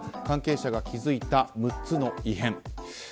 関係者が気付いた６つの異変。